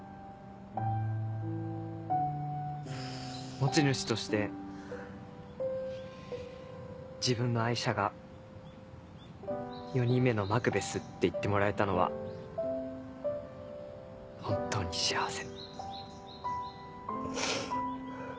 持ち主として自分の愛車が「４人目のマクベス」って言ってもらえたのは本当に幸せ。